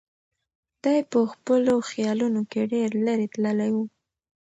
دی په خپلو خیالونو کې ډېر لرې تللی و.